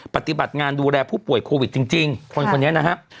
ปฏิบัติงานดูแลผู้ป่วยโควิดจริงคนคนนี้นะครับ